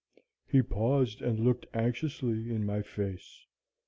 "He paused and looked anxiously in my face.